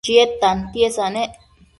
Chied tantiesa nec